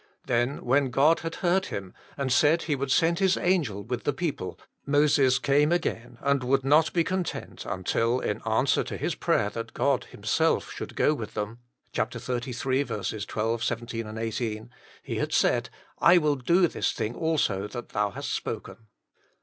Then, when God had heard him, and said He would send His angel with the people, Moses came again, and would not be content until, in answer to his prayer that God Himself should go with them (xxxiii. 12, 17, 18), He had said, "I will do this tiling also that thou hast spoken."